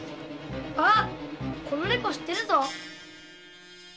あッこの猫知ってるぞ。